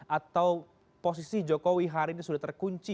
atau posisi jokowi hari ini sudah terkunci